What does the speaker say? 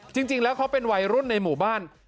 จริงแล้วเขาเป็นวัยรุ่นในหมู่บ้าน